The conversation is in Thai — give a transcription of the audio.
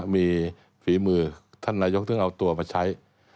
มีฝีมือท่านนายกถึงเอาตัวมาใช้